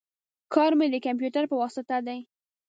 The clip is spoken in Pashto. کار می د کمپیوټر په واسطه دی